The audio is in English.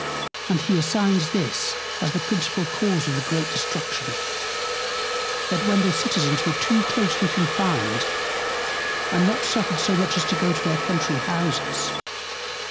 And he assigns this, as the principal Cause of the great Destruction, That the Citizens were too closely confined, and not suffered so much as to go to their Country Houses.